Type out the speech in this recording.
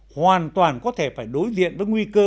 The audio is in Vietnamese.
hoàn toàn có thể phải đối diện với nguy cơ